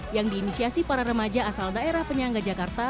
yang diinisiasi para remaja asal daerah penyangga jakarta